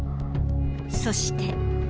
そして。